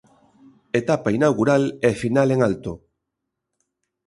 Etapa inaugural e final en alto.